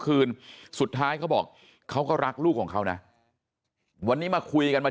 คืนสุดท้ายเขาบอกเขาก็รักลูกของเขานะวันนี้มาคุยกันมา